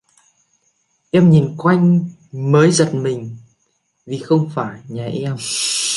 Em nhìn quanh mới giật mình vì không phải nhà em